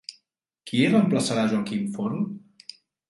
Qui reemplaçarà Joaquim Forn?